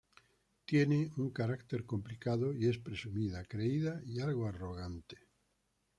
Tiene un carácter complicado y es presumida, creída y algo arrogante.